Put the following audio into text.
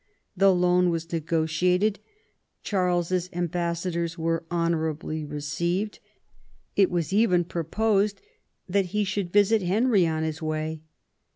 The loan was negotiated, Charles's ambassadors were honourably re ceived, it was even proposed that he should visit Henry on his way.